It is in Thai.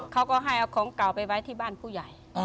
เขาก็ให้เอาของเก่าไปไว้ที่บ้านผู้ใหญ่